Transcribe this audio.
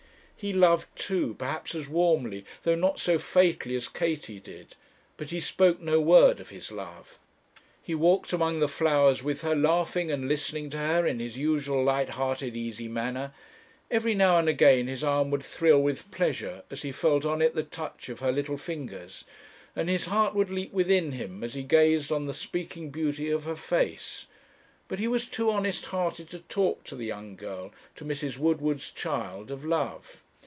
He loved too, perhaps as warmly, though not so fatally as Katie did; but he spoke no word of his love. He walked among the flowers with her, laughing and listening to her in his usual light hearted, easy manner; every now and again his arm would thrill with pleasure, as he felt on it the touch of her little fingers, and his heart would leap within him as he gazed on the speaking beauty of her face; but he was too honest hearted to talk to the young girl, to Mrs. Woodward's child, of love.